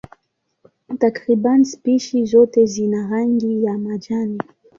Takriban spishi zote zina rangi ya majani.